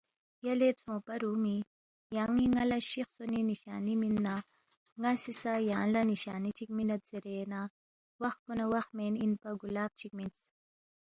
یلے ژھونگپا رُومی یان٘ی ن٘ا لہ شی خسونی نشانی مِن نہ ن٘اسی سہ یانگ لہ نشانی چِک مِنید زیرے نہ وخ پو وخ مین اِنپا گُلاب چِک مِنس